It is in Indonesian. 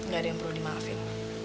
gak ada yang perlu dimaafin